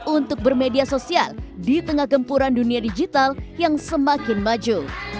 untuk bermedia sosial di tengah gempuran dunia digital yang semakin maju